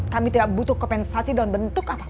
kami tidak butuh kompensasi dalam bentuk apa